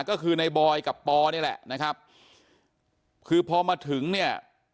ก็คือในบอยกับปอนี่แหละนะครับคือพอมาถึงเนี่ย